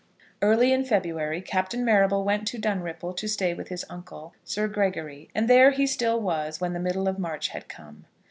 Early in February Captain Marrable went to Dunripple to stay with his uncle, Sir Gregory, and there he still was when the middle of March had come.